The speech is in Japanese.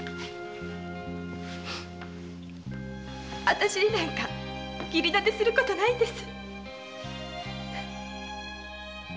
私になんか義理だてすることないんです。